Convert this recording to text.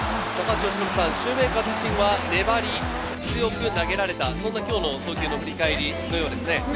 シューメーカー自身は粘り強く投げられた、そんな今日の投球を振り返りのようですね。